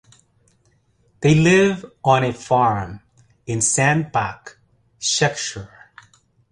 They live on a farm in Sandbach, Cheshire.